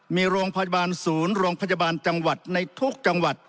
มีโรงพยาบาลศูนย์โรงพยาบาลจังหวัดในทุกจังหวัด